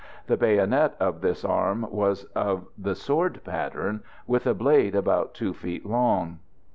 The bayonet of this arm was of the sword pattern, with a blade about 2 feet long.